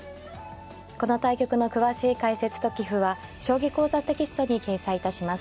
この対局の詳しい解説と棋譜は「将棋講座」テキストに掲載いたします。